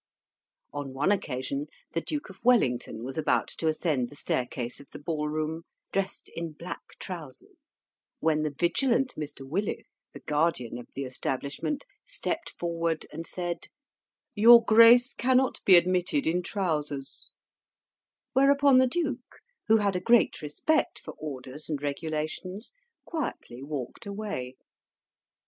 On one occasion, the Duke of Wellington was about to ascend the staircase of the ball room, dressed in black trousers, when the vigilant Mr. Willis, the guardian of the establishment, stepped forward and said, "Your Grace cannot be admitted in trousers," whereupon the Duke, who had a great respect for orders and regulations, quietly walked away.